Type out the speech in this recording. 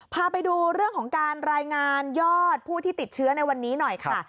พาไปดูเรื่องของการรายงานยอดผู้ที่ติดเชื้อในวันนี้หน่อยค่ะ